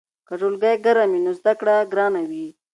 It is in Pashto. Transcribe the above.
که ټولګی ګرم وي نو زده کړه ګرانه وي.